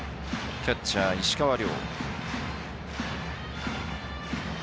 キャッチャー石川亮。